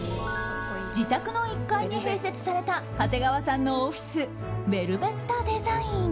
自宅の１階に併設された長谷川さんのオフィスベルベッタ・デザイン。